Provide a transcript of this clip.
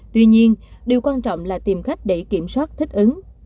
tuy nhiên điều quan trọng là tìm cách để kiểm soát thích ứng